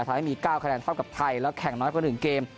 ทำให้มี๙คะแนนเท่ากับไทยแล้วแข่งน้อยกว่า๑เกม